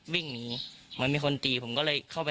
จะกลัวตำกระโจผมแล้วหรอ